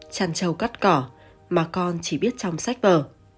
chăn trầu cắt cỏ mà con chỉ biết trong sách vở